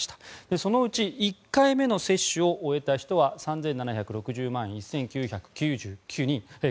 そのうち１回目の接種を終えた人は３７６０万１９９９人。